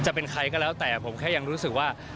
จะเป็นใครก็แล้วแต่ผมแค่ยังรู้สึกว่า